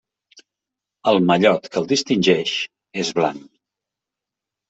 El mallot que el distingeix és blanc.